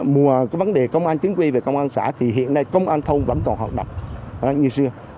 mùa cái vấn đề công an chính quy về công an xã thì hiện nay công an thông vẫn còn hoạt động như xưa